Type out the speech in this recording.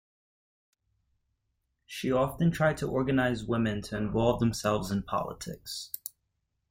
She often tried to organize women to involve themselves in politics.